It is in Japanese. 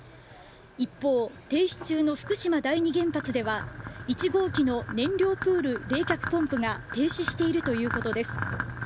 一方、停止中の福島第二原発では１号機の燃料プール冷却ポンプが停止しているということです。